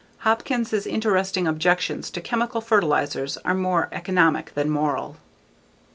Hopkins' interesting objections to chemical fertilizers are more economic than moral.